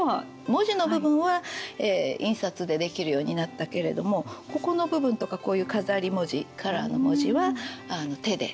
文字の部分は印刷でできるようになったけれどもここの部分とかこういう飾り文字カラーの文字は手で。